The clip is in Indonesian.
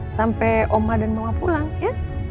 sampai oma dan mama pulang ya